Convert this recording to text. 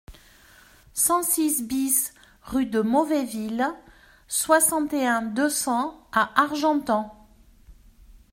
cent six BIS rue de Mauvaisville, soixante et un, deux cents à Argentan